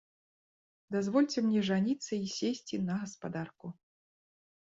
Дазвольце мне жаніцца і сесці на гаспадарку.